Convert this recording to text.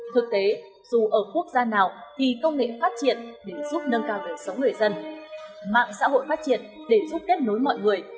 thực tế dù ở quốc gia nào thì công nghệ phát triển để giúp nâng cao đời sống người dân mạng xã hội phát triển để giúp kết nối mọi người